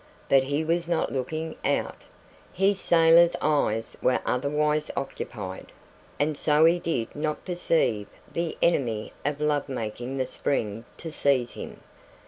but he was not looking out his sailor eyes were otherwise occupied, and so he did not perceive the enemy of love making the spring to seize him.